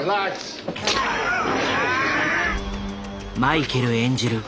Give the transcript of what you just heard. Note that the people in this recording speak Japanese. マイケル演じる